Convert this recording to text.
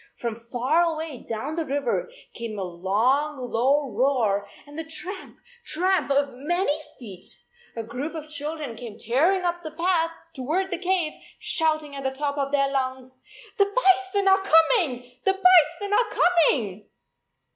From far away down the river came a long low roar and the tramp, tramp of many feet. A group of children came tearing up the path toward the cave, shouting at the top of their lungs, "The bison are coming, the bison are coming!"